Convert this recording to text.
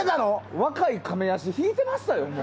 若いカメアシ引いてましたよ。